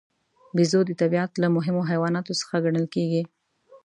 بیزو د طبیعت له مهمو حیواناتو څخه ګڼل کېږي.